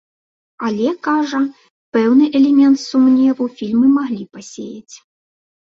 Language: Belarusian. Але, кажа, пэўны элемент сумневу фільмы маглі пасеяць.